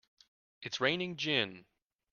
It's raining gin!